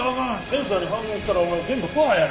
センサーに反応したらお前全部パーや。